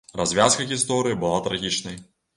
Развязка гісторыі была трагічнай.